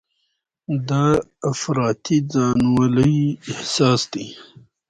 دا افراطي ځانولۍ احساس دی.